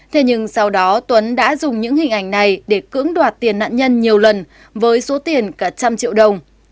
thế nhưng sau đó tuấn đã dùng những hình ảnh này để cưỡng đoạt tiền nạn nhân nhiều lần với số tiền cả trăm triệu đồng